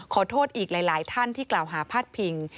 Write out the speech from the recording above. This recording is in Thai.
ขอโทษอีกหลายท่านที่กล่าวหาพาดพิง